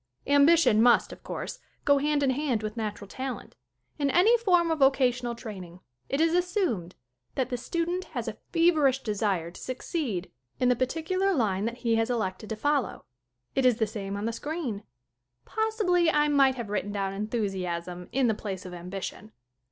Ambition must, of course, go hand in hand with natural talent. In any form of vocational training it is assumed that the student has a feverish desire to succeed in the particular line that he has elected to follow. It is the same on the screen. Possibly I might have written down enthus iasm in the place of ambition.